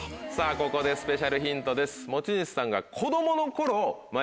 ここでスペシャルヒントです。